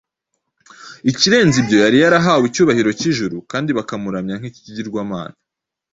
Ikirenze ibyo yari yarahawe icyubahiro cy’ijuru kandi bakamuramya nk’ikigirwamana.